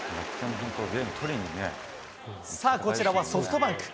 こちらはソフトバンク。